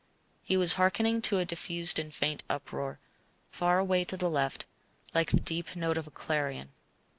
He was hearkening to a diffused and faint uproar, far away to the left, like the deep note of a clarion.